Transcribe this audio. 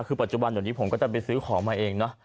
คือปัจจุบันเดี๋ยวนี้ผมก็จะไปซื้อของมาเองเนอะ